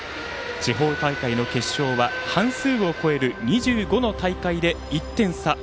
地方大会の決勝は半数を超える２５の大会で１点差。